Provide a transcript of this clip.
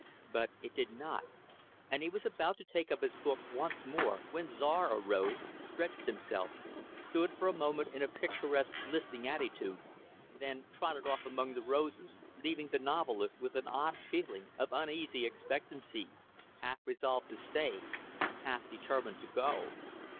But it did not; and he was about to take up his book, once more, when Czar arose, stretched himself, stood for a moment in a picturesque, listening attitude, then trotted off among the roses; leaving the novelist with an odd feeling of uneasy expectancy half resolved to stay, half determined to go.